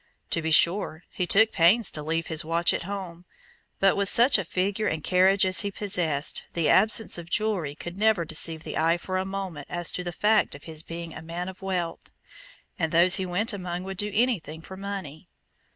To be sure he took pains to leave his watch at home; but with such a figure and carriage as he possessed, the absence of jewelry could never deceive the eye for a moment as to the fact of his being a man of wealth, and those he went among would do anything for money.